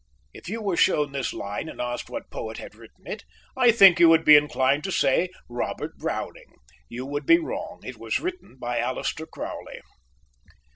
_" If you were shown this line and asked what poet had written it, I think you would be inclined to say, Robert Browning. You would be wrong. It was written by Aleister Crowley.